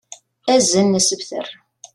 Azen asebter.